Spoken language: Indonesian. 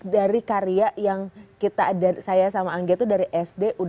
dari karya yang kita ada saya sama angga itu dari era ini gitu ya